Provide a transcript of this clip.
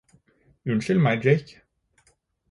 Unnskyld meg Jake